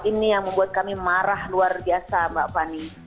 ini yang membuat kami marah luar biasa mbak fani